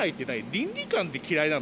倫理観で嫌いなの？